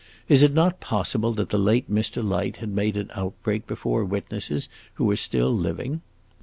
Is it not possible that the late Mr. Light had made an outbreak before witnesses who are still living?"